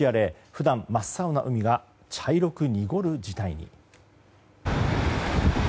普段真っ青な海が茶色く濁る事態に。